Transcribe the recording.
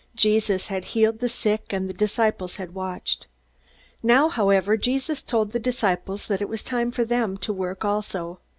Jesus had healed the sick, and the disciples had watched. Now, however, Jesus told the disciples that it was time for them to work also.